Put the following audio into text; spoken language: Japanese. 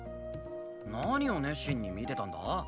何を熱心に見てたんだ？